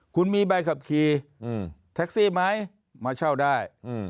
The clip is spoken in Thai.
คุณมีใบขับขี่แท็กซี่ไหมมาเช่าได้